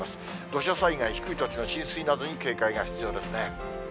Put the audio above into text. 土砂災害、低い土地の浸水などに警戒が必要ですね。